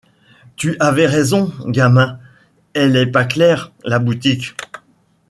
Tu avais raison, gamin, elle est pas claire, la boutique.